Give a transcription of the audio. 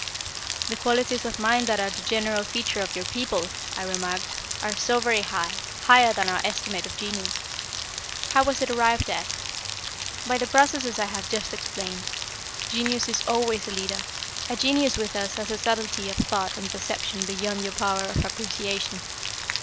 "The qualities of mind that are the general feature of your people," I remarked, "are so very high, higher than our estimate of Genius. How was it arrived at?" "By the processes I have just explained. Genius is always a leader. A genius with us has a subtlety of thought and perception beyond your power of appreciation.